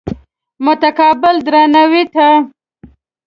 متقابل درناوي ته.